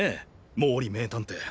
毛利名探偵。